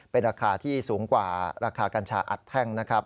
เป็นราคาที่สูงกว่าราคากัญชาอัดแท่งนะครับ